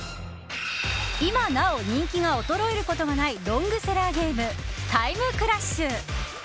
今なお人気が衰えることがないロングセラーゲームタイムクラッシュ。